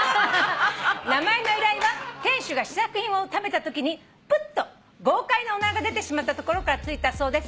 「名前の由来は亭主が試作品を食べたときにプッと豪快なおならが出てしまったところから付いたそうです。